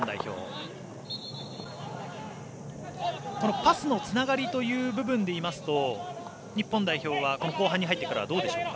パスのつながりという部分で言いますと日本代表は後半に入ってからはどうでしょうか。